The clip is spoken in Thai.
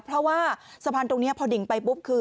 เพราะว่าสะพานตรงนี้พอดิ่งไปปุ๊บคือ